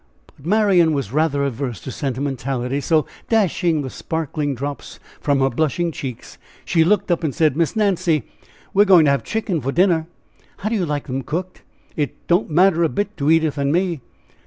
But Marian was rather averse to sentimentality, so dashing the sparkling drops from her blushing cheeks, she looked up and said: "Miss Nancy, we are going to have chickens for dinner. How do you like them cooked? It don't matter a bit to Edith and me."